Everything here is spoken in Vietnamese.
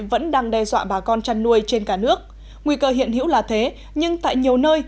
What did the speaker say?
vẫn đang đe dọa bà con chăn nuôi trên cả nước nguy cơ hiện hữu là thế nhưng tại nhiều nơi